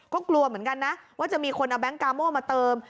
ก็กลัวเหมือนกันนะว่าจะมีคนเอาแก๊งกาโม่มาเติม